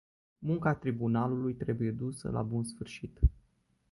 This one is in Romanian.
Munca tribunalului trebuie dusă la bun sfârșit.